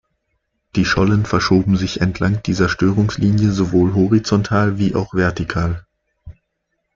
Die Schollen verschoben sich entlang dieser Störungslinie sowohl horizontal wie auch vertikal.